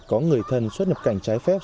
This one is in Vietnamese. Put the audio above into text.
có người thân xuất nhập cảnh trái phép